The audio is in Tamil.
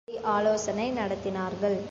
அங்கே சென்று கூடி ஆலோசனை நடத்தினார்கள்.